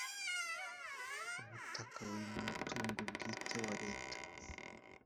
ubutaka buri mu mutungo bwite wa leta